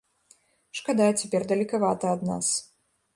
Шкада, цяпер далекавата ад нас.